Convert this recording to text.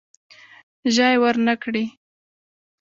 ژای ورنه کړي.